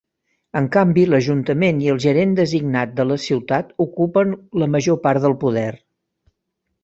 En canvi, l'ajuntament i el gerent designat de la ciutat ocupen la major part del poder.